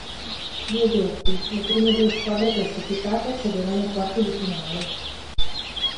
Due gruppi, le prime due squadre classificate accedevano ai quarti di finale.